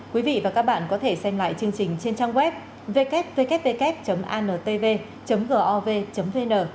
quý vị và các bạn có thể xem lại chương trình trên trang web ww antv gov vn